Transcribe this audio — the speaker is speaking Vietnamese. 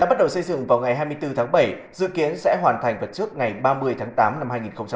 bắt đầu xây dựng vào ngày hai mươi bốn tháng bảy dự kiến sẽ hoàn thành vào trước ngày ba mươi tháng tám năm hai nghìn hai mươi